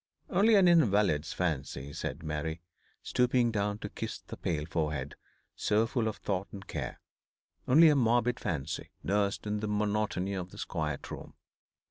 'Only an invalid's fancy,' said Mary, stooping down to kiss the pale forehead, so full of thought and care; 'only a morbid fancy, nursed in the monotony of this quiet room.